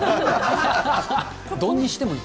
丼にしてもいい。